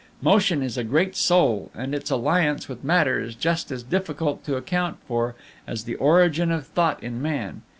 Motion is a great soul, and its alliance with matter is just as difficult to account for as the origin of thought in man.